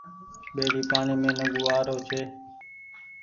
ٻيڙي پآڻيٚ مين نڳون آرو ڇي۔